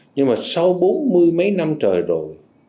nhưng mà sau bốn mươi mấy năm trời rồi